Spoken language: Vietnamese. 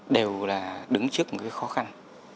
đều là đứng trước một cái khó khăn